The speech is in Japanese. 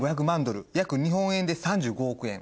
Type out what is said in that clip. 約日本円で３５億円。